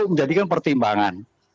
itu menjadikan pertimbangan